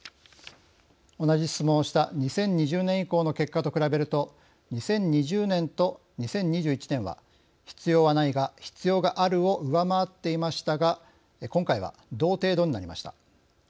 同じ質問をした２０２０年以降の結果と比べると２０２０年と２０２１年は「必要はない」が「必要がある」を上回っていましたが今回は同程度になりました。